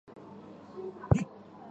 困难与挑战是激发我们的原动力